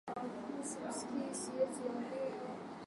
Kuna watalii wegi Mombasa.